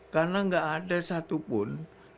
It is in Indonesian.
karena gak ada satupun